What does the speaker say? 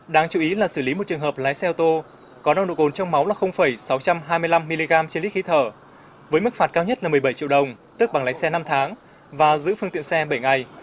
đáng chú ý là xử lý một trường hợp lái xe ô tô có nồng độ cồn trong máu là sáu trăm hai mươi năm mg trên lít khí thở với mức phạt cao nhất là một mươi bảy triệu đồng tức bằng lái xe năm tháng và giữ phương tiện xe bảy ngày